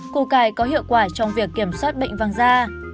củ cải có hiệu quả trong việc kiểm soát bệnh vang da